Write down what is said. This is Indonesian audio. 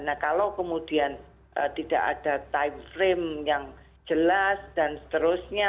nah kalau kemudian tidak ada time frame yang jelas dan seterusnya